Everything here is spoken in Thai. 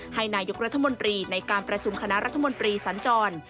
ให้นายกรัฐมนตรีในการประชุมคณะรัฐมนตรีสัญจร